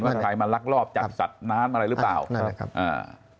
ว่าใครมาลักรอบจัดสัตว์น้ำอะไรหรือเปล่าครับนั่นแหละครับอ่า